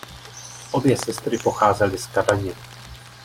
Obě sestry pocházely z Kadaně.